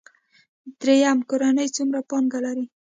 دریم کورنۍ څومره پانګه لري.